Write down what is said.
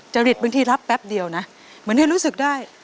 จริตบางทีรับแป๊บเดียวนะเหมือนให้รู้สึกได้